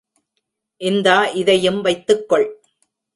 இந்தா இதையும் வைத்துக்கொள்.